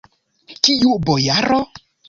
Kiu bojaro?